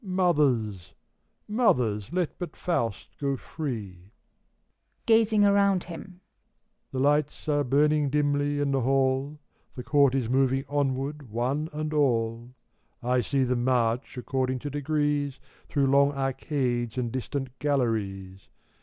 Mothers I Mothers ! let but Faust go free ! (Gazing around him.) The lights are burning dimly in the hall, The Court is moving onward, one and all : 1 see them march, according to degrees, Through long arcades and distant galleries.